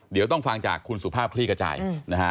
เดี๋ยวต้องฟังจากคุณสุภาพคลี่ขจายนะฮะ